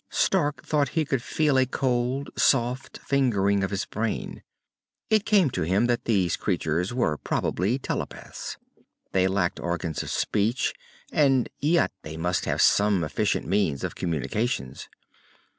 Stark thought he could feel a cold, soft fingering of his brain. It came to him that these creatures were probably telepaths. They lacked organs of speech, and yet they must have some efficient means of communications.